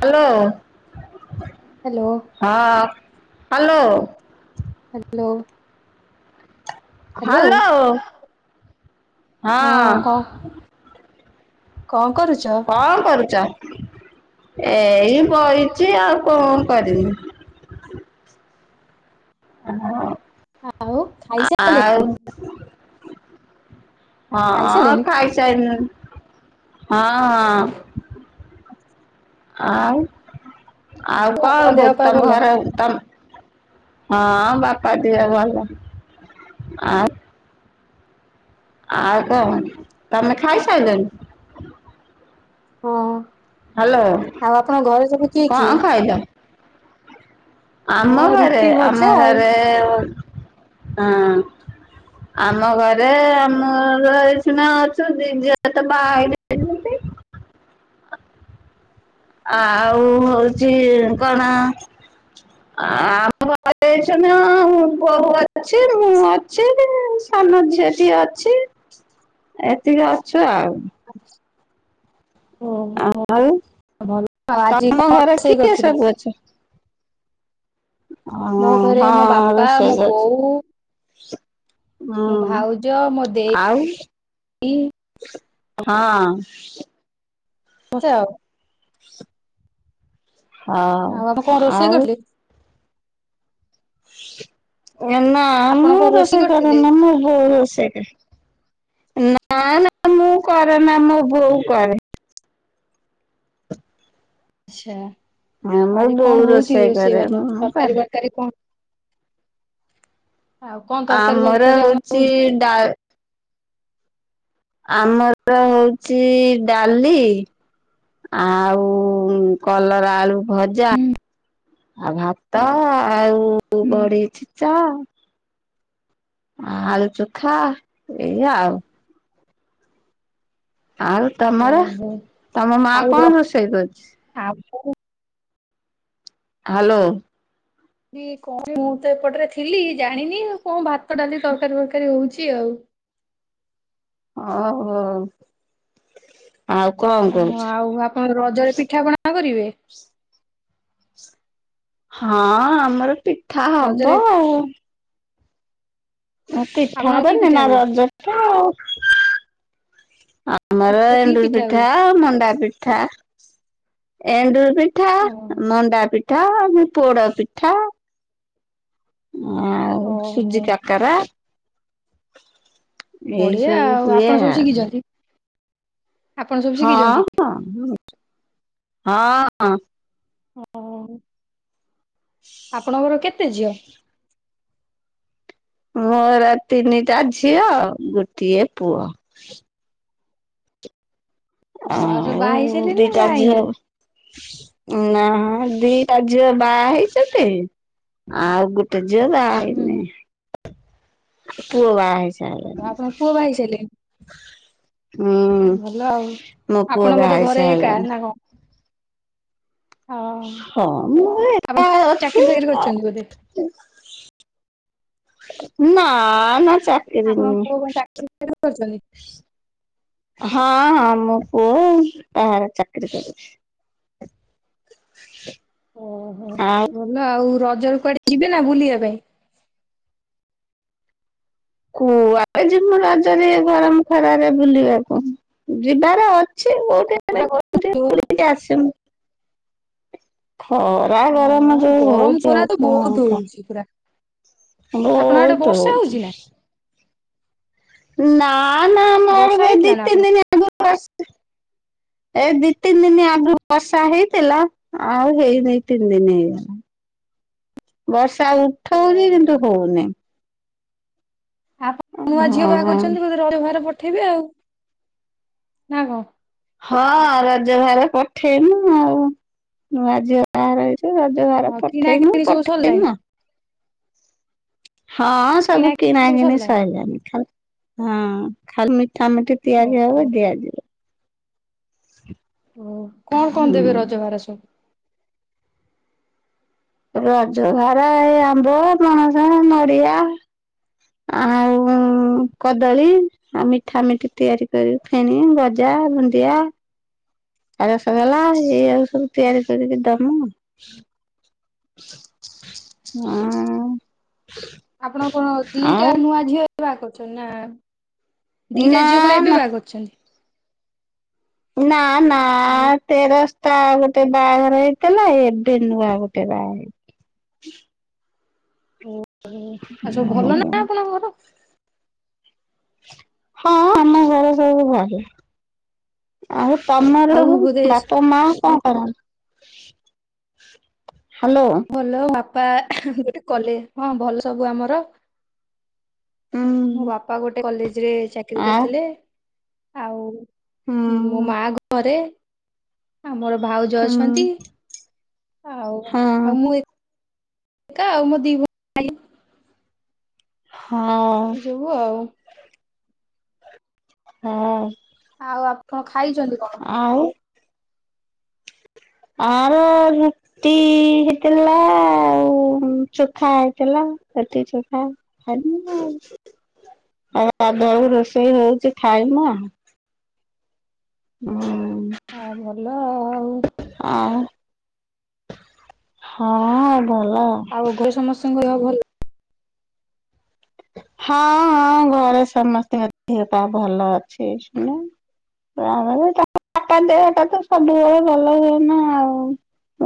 Hello hello ହଁ hello. Hello. Hello hello ହଁ କ କଁ କରୁଚ? କଁ କରୁଚ ଏଇ ବଇଚି ଆଉ କଁ କରିବି। ହଁ ଆଉ ଆ ଖାଇସାରିଲେ ଆଉ ହଁ ଖାଇସାରିଲେଣି ଖାଇସାଇଲୁଣି ହଁ। ଆଉ ଆଉ କଁ ଆପଣଙ୍କ କହୁ ଦେହ ପା ତମ ଭଲ? ଘରେ ତମ୍ ହଁ ବାପା ଦେହ ଭଲ ଆ ଆଉ କଁ ତମେ ଖାଇସାରିଲନି? ହଁ ହ୍ୟାଲୋ ଆଉ ଆପଣଙ୍କ ଘରେ ସବୁ କିଏ କଣ କିଏ? ଖାଇଲ? ଆମ ହଁ ଘରେ ରୁଟି ଭଜା ଆମ ଆଉ। ଘରେ ଅ‌ଁ [inaudible] ଆମ ଘରେ ଆମର ଶିନା ଅଛନ୍ତି ଦିଝିଅତ ବାହା ହେଇଯାଇଚନ୍ତି। ଆଉ ହଉଛି କଣ? [unintelligible] ମୋ ବୋଉ ଅଛି, ମୁଁ ଅଛି, ସାନ ଝିଅ ଅଛି। ଅଛି, ଏତିକି ଅଛୁ ଆଉ। ଆା [unintelligible] ଓହୋ। ଆଉ ଭଲ। ତମ ଘରେ ହ, ମୋ ଘରେ ମୋ ହଁ ବାପା ମୋ ରୋସେଇ କରିଛି। ବୋଉ ହୁଁ, ମୋ ଭାଉଜ ମୋ ଦେଇ ଆଉ ହଁ। ମଛେ ଆଉ [unintelligible] ହଁ, ଆଉ ଆପଣ କଣ ରୋଷେଇ ଆଉ କରିଥିଲେ? ନା ଆପଣ ମୁଁ କଣ ରୋଷେଇ କରିଥିଲେ? କରିନି, ମୋ ବୋଉ ରୋସେଇ କରିଚି। ନା, ନା, ମୁଁ କରେନା। ମୋ ବୋଉ କରେ। ଆଚ୍ଛା। ହଁ ମୋ ଆଜି ବୋଉ କଣ ହଉଛି? ରୋଷେଇ କରେ ରୋଷେଇବାସ ମୁଁ ତରକାରୀ କରେ କାରୀ କଣ? ଆଉ କଣ ତରକାରୀ ଫରକାରୀ ଆପଣ [unintelligible] ଏ ଡା ଆମର ହଉଛି ଡାଲି, ଆଉ କଲରା ଆଳୁ ଭଜା, ଆଉ ଭାତ, ଆଉ ହୁଁ ବଢ଼ି ଛେଚା। ଆ ଆଳୁ ଚୁଖା ଏଇଆ ଆଉ। ଆଉ ତମର? ଓହୋ ତମ ମା ଆଉ ର କଣ ରୋଷେଇ କଣ କରିଛି? [unintelligible] ହାଲୋ। [unintelligible] ମୁଁ ତ ଏପଟରେ ଥିଲି। ଜାଣିନି କଣ ଭାତ, ଡାଲି, ତରକାରୀ ଫରକାରୀ ହଉଛି ଆଉ। ଓହୋ। ଆଉ କଣ ଓ, କହୁଛୁ? ଆଉ, ଆପଣ ରଜରେ ପିଠାପଣା କରିବେ? ହଁ, ଆମର ପିଠା ହବ ରଜରେ ଆଉ। ଆଉ ପିଠା ଆପଣଙ୍କର କି ହେବନି ପିଠା ନା, ହୁଏ? ରଜଟା ଆଉ। ଆମର କି ଏଣ୍ଡୁରି ପିଠା, ହୁଏ? ମଣ୍ଡା ପିଠା, ଏଣ୍ଡୁରି ପି ଠା, ଓହୋ ମଣ୍ଡା ପିଠା, ପୋଡ ପିଠା ଆଉ ଓହୋ ସୁଜି କାକାରା। ବଢିଆ ଆଉ। ହୁଏ ଆପଣ ସବୁ ଆଉ ଶିଖିଛନ୍ତି? ଆପଣ ସବୁ ଶିଖିଛନ୍ତି? ହଁ, ହଁ। ହଁ। [unintelligible] ଆପଣଙ୍କର କେତେ ଝିଅ? ମୋର ତିନିଟା ଝିଅ, ଗୋଟିଏ ପୁଅ। ଓ ସବୁ ଆଉ ବାହା ହେଇ ସାରିଲେଣି ନା ଦିଇଟା ବାହା ଝିଅ ହେଇନାହାନ୍ତି? ଉଁ ନା ଦିଟା ଝିଅ ବାହା ହେଇଛନ୍ତି। ଆଉ ଗୋଟେ ଝିଅ ହୁଁ ବାହାହେଇନି। ପୁଅ ଆପଣଙ୍କ ପୁଅ ବାହାହେଇଛି। ବାହା ହେଇ ସାରିଲେଣି? ହୁଁ। [unintelligible] ଭଲ ଆଉ। ମୋ ପୁଅ ଆପଣ ବୋଧେ ବାହାହେଇ ଘରେ ଏକା ସାରିଲାଣି। ନା କଣ? ହଁ ହଁ, ମୁଁ ଏକା ଆପଣ ଚାକିରି ଅଛି। ଫାକିରି କରିଛନ୍ତି ବୋଧେ? ନା, ମ ଚା ଆପଣଙ୍କ ପୁଅ କଣ ଚା [unintelligible] କରିଛନ୍ତି। ହଁ ହଁ ମୋ ପୁଅ ବାହାରେ ଚାକିରୀ କରୁଛି। [inaudible] ଓହୋ ଆଉ ଭଲ ଆଉ ରଜରେ କୁଆଡେ ଯିବେ ନା ବୁଲିଆ ପାଇଁ? କୁଆଡେ ଯିମୁଁ ରଜରେ ଗରମ ଖରାରେ ବୁଲିବାକୁ। ଯିବାର ଅ ଛି ହଁ ଖରା ଗର- [unintelligible] ଆସିମୁଁ। ହଁ। ଯା ଗରମ ଯୋଉ ହଉଛି କଣ କ? ତିପୁରା ବହୁତ ହଉଛି। ନା ନା ଆମଆଡେ ବର୍ଷା ବି ଏଇ ଦି ହେଇଥିଲା ତିନିଦିନି ହେଲା [inaudible] ଏଇ ଦି ତିନି ଦିନ ଆଗରୁ ବର୍ଷା ହେଇଥିଲା। ଆଉ ହେଇନାଇ ତିନିଦିନି ହେଇଗଲା। [inaudible] ବର୍ଷା ଉଠଉଛି କିନ୍ତୁ ଓହୋ। ହଉନି। ଆପଣ ନୂଆ ଝିଅ ବାହା ହଁ କରୁଛନ୍ତି ବୋଧେ ରର ବାହାର ପଠେଇବେ ଆଉ ନା କଣ? ହଁ ରଜ ଭାର ପଠେଇମି ଆଉ। ନୂଆ ଝିଅ ବାହାଘର ହେଇଛି ର ରଜ ଭାର ହଁ କିଣା ପଠେଇନୁ କିଣି ସବୁ ସରିଲାଣି ପଠେଇମୁ ଆଉ। ହଁ ସବୁ କିଣା କିଣି ସବୁ କିଣିି ସରିଲାଣି? ସଇଲାଣି ଖାଲି ହଁ। ଖାଲି ମିଠା ମିଠି ତିଆରି ହବ ଦିଆଯିବ। ହ ଓ କଣ କଣ ଦେବେ ରଜଭାର ସବୁ? ରଜଭାର ଏଇ ଆମ୍ବ, ପଣସ, ନଡିଆ। ଆଉ କଦଳୀ। ଆ ମିଠା ମିଠି ତିଆରି କରି ଫେଣି ଗଜା ବୁନ୍ଦିଆ ଆଉ ରସ ଗୋଲା ଏଇ ଆକୁ ସବୁ ତିଆରି କରିକି ଦମୁ। ହଁ। ଆପଣ କଣ ଆଉ ଦିଟା ନୂଆ ଝିଅ ବାହା କରିଛନ୍ତି ନା ଦିଟା ନା ଝିଅ ଆପଣ ନା ଏବେ ବା କରିଛନ୍ତି। ନା ନା ଆଉ ତେର ତା ଗୋଟେ ବାହାଘର ହେଇଥିଲା ଏବେ ନୁଆ ଗୋଟେ ବାହା ହେଇ ଓ ଆଉ ସବୁ ଭଲ ନା ହେଇଛି। ଆପଣଙ୍କ ଘର। ହଁ ଆମ ଘର ସବୁ ଭଲ। ଆଉ ତମର ଆଉ ସବୁ ବୋଧେ ବାପା ମା କଣ କରନ୍ତି? ହ୍ୟାଲୋ। ଭଲ ବାପା ଗୋଟେ କଲେ ହଁ ଭଲ ସବୁ ଆମର। ମୋ ହୁଁ। ବାପା ଗୋଟେ କଲେଜରେ ଚାକିରୀ ଆ କରିଥିଲେ ଆଉ ମୋ ହୁଁ ମା ଘରେ ଆ ମୋର ଭାଉଜ ଅଛନ୍ତି। ହୁଁ ଆଉ ଆଉ ହଁ ମୁଁ ଏକା ଆଉ ମୋ ଦି ହଁ। ହୁ ଆଉ। ହଁ। ଆଉ ଆପଣ ଖାଇଛନ୍ତି କଣ? ଆଉ ଆର ଟି ହେଇଥିଲା ଆଉ ଚୋଖା ହେଇଥିଲା ରୁଟି ଚୋଖା। [unintelligible] ଆଉ ଗାଧୁଆଳକୁ ରୋଷେଇ ହଉଛି ଖାଇମୁଁ ଆଉ। ହୋଉ ହଁ ଭଲ ଆଉ ଆଁ ହଁ ଭଲ ଆଉ ଘରେ ସମସ୍ତଙ୍କ ଦେହ ଭଲ ହଁ ହଁ ଘରେ ସମସ୍ତିଙ୍କ ଦେହ ପା ଭଲ ଅଛି ଏଇଶୁଣିକା ତାପରେ ତା ବାପା ଦେହ ଟା ତ ସବୁବେଳେ ଭଲ ହୁଏନା ଆଉ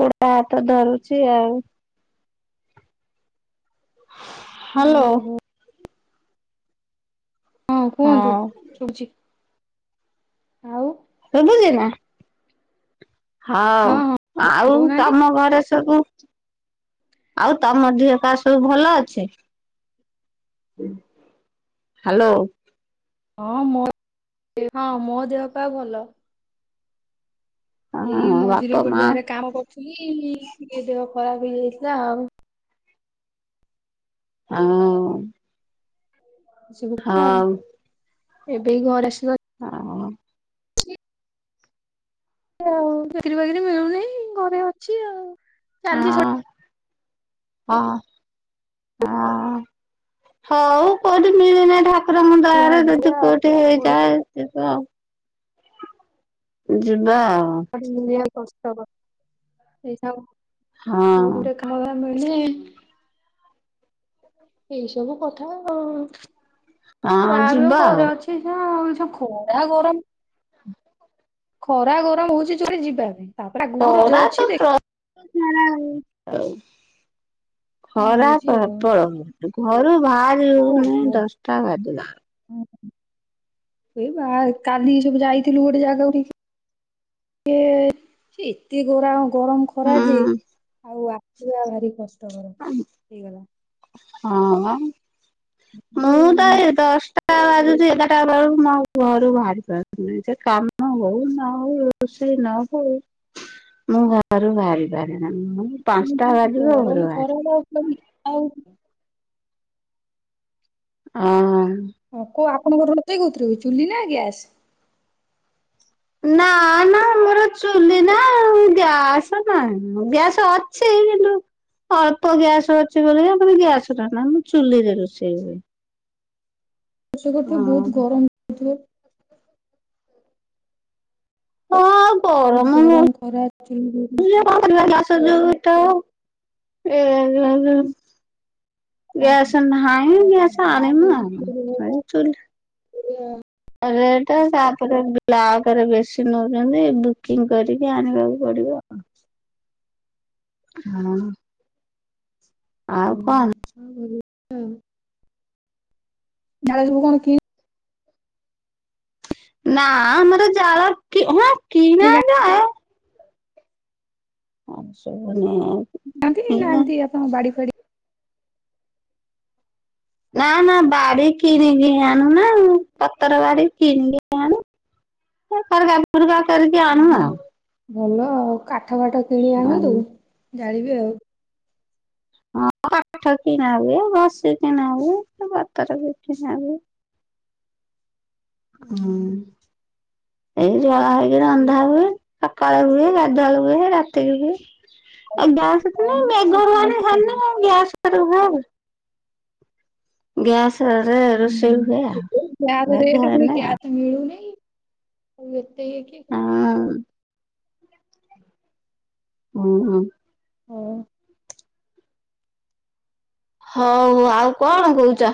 ଗୁଡ, ହାତ ଧରୁଛି ଆଉ ହାଲୋ ଓହୋ ହଁ କୁହନ୍ତୁ ଶୁବୁଚି। ଆଉ ଶୁବୁଚି ନାଁ? ହଉ ହଁ ହଁ ଆଉ କହୁନାହାନ୍ତି। ତମ ଘରେ ସବୁ ଆଉ ତମ ଦିହ ପାହା ସବୁ ଭଲ ଅଛି? ହାଲୋ ହଁ ମୋ ଦେହ ହଁ ମୋ ଦେହ ପା ଭଲ। ଏଇ ହଁ ମଝିରେ ବାପା ଗୋଟେ ମା ଜାଗାରେ କାମ କରୁଥିଲି ଟିକେ ଦେହ ଖରାପ ହେଇଯାଇଥିଲା ଆଉ ଆଁ ଉଁ ସୁବିଧା ଆଉ ଏବେ ଏଇ ଘରେ ଆସି ରହିଲି। ହାଁ ଅଁ ହଁ ଚାକିରି ବାକିରି ମିଳୁନେଇ ଘରେ ଅଛି ଆଉ ଚାଲିଛି ହଁ ହଅଁ ହଉ କୋଉଁଠି ମିଳିନେ ଢକ ଠାକୁରଙ୍କ ସବୁ ଦୟା ରେ ଅବହେଳା ଯଦି ଆଉ। କଉଠେ କୋଉଠି ହେଇଯାଏ ଯିବ। ଯିବା ଆଉ ଆଯି ମୂଳିଆଙ୍କୁ କଷ୍ଟ ହବ। [unintelligible] ହଁ କଉଠି ଗୋଟେ କାମ ଧର ମିଳିଲେ ଏଇ ସବୁ କଥା ଆଉ ହଁ ଯାହା ବି ହଉ ଯିବା ଆଉ ଘରେ ଅଛି [unintelligible] ଖରା ଗରମ ଟ୍ରାନ୍ସକ୍ରିପସନ କଲୁ ଖରା ଗରମ ହଉଛି ଯୋରେ ଯିବା ପାଇଁ ତାପରେ ଆଗକୁ ରଜ ଅଛି ଦେଖିବା ନାଁ ନାଁ ଆଉ ଥାଉ କଣ ଖରା ହଉଛି ଆଉ। ପ୍ରବଳ ହଉଚି ଘରୁ ବାହାରିହଉନି ଦଶଟା ବାଜିଲା ଉଁ ହୁଁ ସେଇ ବାହାର କାଲି ସବୁ ଯାଇଥିଲୁ ଗୋଟେ ଜାଗାକୁ ଟିକେ ଟିକେ ସେ ଏତେ ଗରା ଗରମ ଖରା ଯେ ହୁଁ ଆଉ ଆସିବା ଭାରି କଷ୍ଟ କଷ୍ଟକର ହେଇଗଲା। ହଁମ ମୁଁ ତ ଯୋଉ ଆଜି ଦଶଟା ଦଶଟା ବାଜୁଛି ଏଗାଟା ବେଳକୁ ମୁଁ ଆଉ ଘରୁ ବାହାରି ପାରୁନି କାମ ହଉ ନହଉ ଖୁସି ନ ହଉ ମୁଁ ଘରୁ ବାହାରି ପାରୁନି। ମେଡମ ମୁଁ ପାଞ୍ଚଟା ବାଜିବ ଘରୁ ବାହାରିବି। କହିବି, ଆଉ ଆଁମ୍ସ ହଁ କୋଉ ଆପଣଙ୍କର ରୋଚେଇ କହୁଥିରେ ହୁଏ। ଚୁଲି ନା ଗ୍ୟାସ? ନାଁ ନାଁ ମୋର ଚୁଲି ନା ଆଉ ଗ୍ୟାସ ନାହିଁ। ଗ୍ୟାସ ଅଛି କିନ୍ତୁ ଅଳ୍ପ ଗ୍ୟାସ ଅଛି ବୋଲି ତମେ ଗ୍ୟାସୁଟା ନାଁ ମୁଁ ଚୁଲିରେ ରୋଷେଇ ହୁଏ। ରୋଷେଇ କରୁଥିବ ହଁ ବହୁତ ଗରମ ହଉଥିବ ହଁ। ବହୁତ୍ ଗରମ ଗରମ୍ ହଉଛି ଖରା ଯେ [unintelligible] କଣ [unintelligible] ଖରା। ଗ୍ୟାସ୍ ସତ ନାହିଁ କଥା, ଗ୍ୟାସ୍ ଆଣିନୁ ଆଉ ଆଣିଲେ [unintelligible] [unintelligible] ରେଟେ ତାପରେ ବ୍ଲାକ୍ ରେ ବେଶୀ ନଉଚନ୍ତି ବୁକିଂ କରିକି ଆଣିବାକୁ ପଡିବ ଆଉ। ହଁ। ଆଉ କଣ। [unintelligible] [unintelligible] କଣ କି ନା ଆମର ଜାଳ କି ହଁ କିଣା କିଣିକି ନା। [unintelligible] ଶୁଭୁନି। ନାହାନ୍ତି-ନାହାନ୍ତି ଆପଣ ବାଡି ଫାଡି ନା-ନା ବାଡି କିଣିକି ଆଣୁ ନା ପତର ବାଡି କିଣିକି ଆଣୁ। [unintelligible] କରିକି ଆଣୁ ଓହୋ, ଆଉ। ଭଲ ଆଉ କାଠ ଫାଠ କିଣି ଆଉ ଆଣନ୍ତୁ ଜାଳିବି ଆଉ। ହଁ କାଠ କିଣା ହୁଏ ଘସି କିଣା ହୁଏ ପତର ବି କିଣା ହୁଏ। ହୁଁ ଓହୋ, ଏଇ ଜଳା ହେଇକିରି ସେଇଆ ରନ୍ଧା ଆଉ ହୁଏ। ସକାଳେ ହୁଏ ଗାଧୁଆବେଳେ ହୁଏ ରାତିକି ହୁଏ। କଣ ଆଉ ଗ୍ୟାସ୍ ତ ନାହିଁ ଆଉ କଣ କରିବି। [unintelligible] ଗ୍ୟାସ୍ ରେ କରାହୁଏ। ଗ୍ୟାସ୍ ରେ ରୋଷେଇ ହୁଏ ଆଉ ମେଘ ହେଲେ ମିଳୁନେଇ ଆଉ ଏତେ ଇଏ କିଏ କରିବ। ଆଉ ହୁଁ-ହଁ। ହଁ। ହଉ ଆଉ କଣ କହୁଚ?